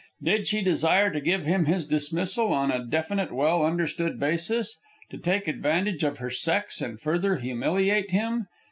Did she desire to give him his dismissal on a definite, well understood basis? To take advantage of her sex and further humiliate him?